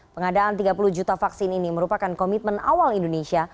pengadaan tiga puluh juta vaksin ini merupakan komitmen awal indonesia